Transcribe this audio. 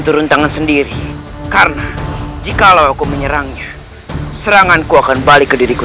turun tangan sendiri karena jikalau aku menyerangnya serangan ku akan balik ke diriku